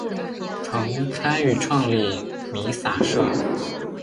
曾参与创立弥洒社。